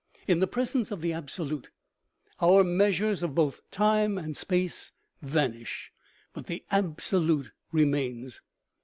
In the presence of the absolute, our measures of both time and space vanish ; but the absolute remains.